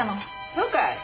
そうかい。